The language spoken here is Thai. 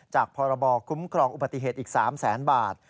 จากพรบคุ้มครองอุปติเหตุอีก๓๐๐๐๐๐บาท